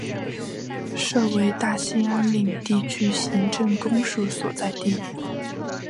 设为大兴安岭地区行政公署所在地。